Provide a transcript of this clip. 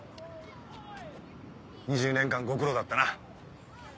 ２０年間ご苦労だったな。